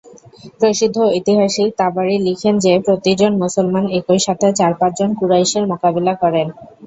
প্রসিদ্ধ ঐতিহাসিক তাবারী লিখেন যে, প্রতিজন মুসলমান একই সাথে চার-পাঁচজন কুরাইশের মোকাবিলা করেন।